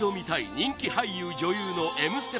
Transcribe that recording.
人気俳優・女優の「Ｍステ」